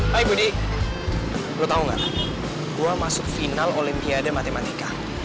hai budi lo tau gak gue masuk final olimpiade matematika